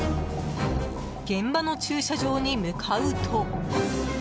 現場の駐車場に向かうと。